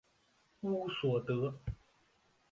乌索德。